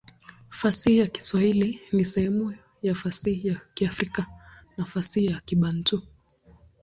Fasihi ya Kiswahili ni sehemu ya fasihi ya Kiafrika na fasihi ya Kibantu.